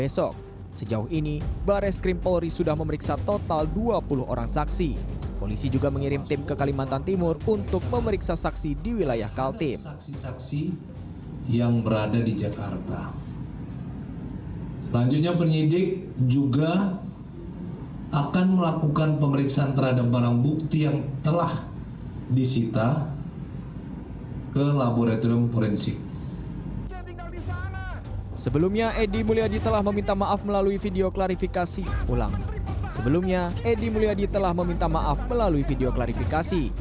sebelumnya edi mulyadi telah meminta maaf melalui video klarifikasi